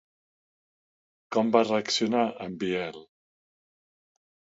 Com va reaccionar en Biel?